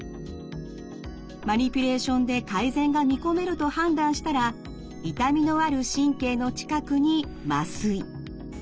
マニピュレーションで改善が見込めると判断したら痛みのある神経の近くに麻酔。